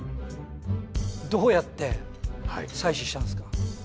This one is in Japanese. どうやって採取したんですか？